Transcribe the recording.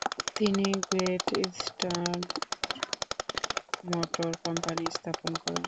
তিনি great eastern motor company স্থাপন করেন।